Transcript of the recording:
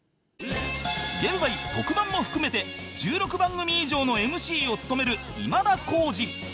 現在特番も含めて１６番組以上の ＭＣ を務める今田耕司